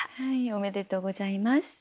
おめでとうございます。